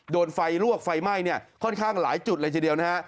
โดนไฟลวกไฟไหม้เนี่ยค่อนข้างหลายจุดเลยทีเดียวนะฮะ